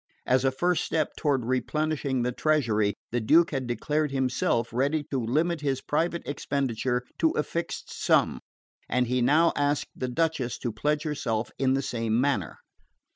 As a first step towards replenishing the treasury the Duke had declared himself ready to limit his private expenditure to a fixed sum; and he now asked the Duchess to pledge herself in the same manner.